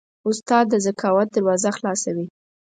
استاد د ذکاوت دروازه خلاصوي.